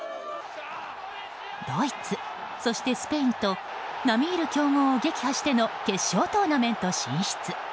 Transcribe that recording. ドイツ、そしてスペインと並み居る強豪を撃破しての決勝トーナメント進出。